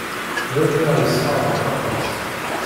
D ayen i aɣ-yesferḥen aṭas.